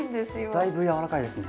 だいぶやわらかいですね。